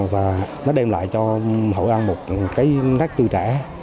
và nó đem lại cho hội an một cái nát tư trẻ